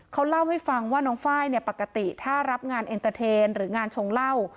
เขาเล่าให้ฟังว่าน้องไฟล์เนี่ยปกติถ้ารับงานเอ็นเตอร์เทนหรืองานชงเหล้า